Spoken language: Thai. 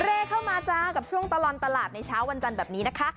เลขเข้ามาจ้ากับช่วงตลอดตลาดในเช้าวันจันทร์แบบนี้นะคะ